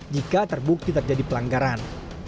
jika terbukti terjadi pelanggaran